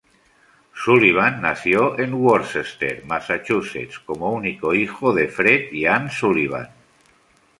Sullivan nació en Worcester, Massachusetts, como único hijo de Fred y Ann Sullivan.